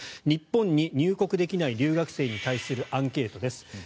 日本に入国できない留学生に対するアンケートです。